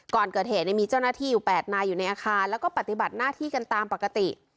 ก่อนเกิดเหตุมีเจ้าหน้าที่อยู่๘นายอยู่ในอาคารแล้วก็ปฏิบัติหน้าที่กันตามปกติ